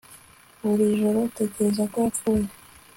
buri joro utekereza ko yapfuye